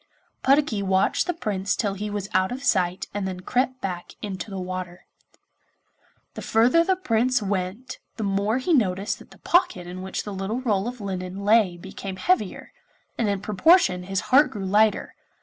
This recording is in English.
Puddocky watched the Prince till he was out of sight and then crept back into the water. The further the Prince went the more he noticed that the pocket in which the little roll of linen lay became heavier, and in proportion his heart grew lighter.